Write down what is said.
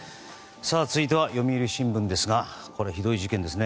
続いては、読売新聞ですがひどい事件ですね。